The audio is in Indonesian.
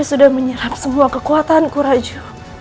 dia sudah menyerap semua kekuatanku rajo